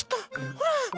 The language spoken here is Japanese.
ほら！